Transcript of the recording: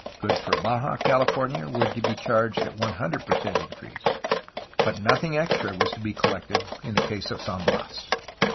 Goods for Baja California were to be charged at 100 per cent increase, but nothing extra was to be collected in the case of San Bias.